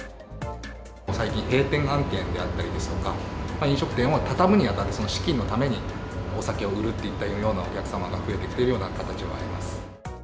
最近、閉店案件であったりですとか、飲食店を畳むにあたって、その資金のためにお酒を売るといったようなお客様が増えてきているような形もあります。